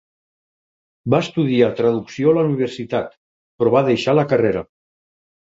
Va estudiar traducció a la universitat, però va deixar la carrera.